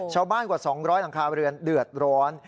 ชาวบ้านกว่า๒๐๐ต่างคราวเรือนเดือดร้อน